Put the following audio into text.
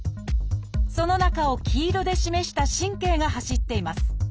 その中を黄色で示した神経が走っています。